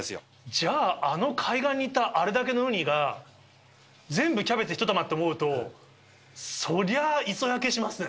じゃあ、あの海岸にいたあれだけのウニが、全部キャベツ１玉って思うと、そりゃあ磯焼けしますね。